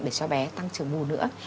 để cho bé tăng trưởng bù nữa